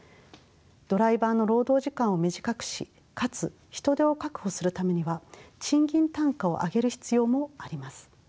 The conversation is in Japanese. ドライバーの労働時間を短くしかつ人手を確保するためには賃金単価を上げる必要もあります。